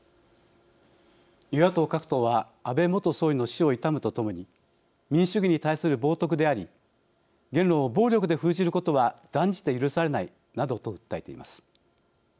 与野党各党は安倍元総理の死を悼むとともに民主主義に対する冒とくであり言論を暴力で封じることは断じて許されないなどと訴えています。